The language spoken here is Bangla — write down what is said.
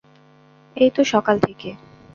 এই তো সকাল থেকে।